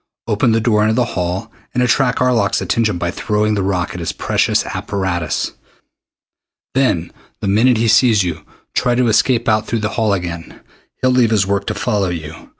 Open the door into the hall and attract Arlok's attention by throwing the rock at his precious apparatus. Then the minute he sees you, try to escape out through the hall again. He'll leave his work to follow you.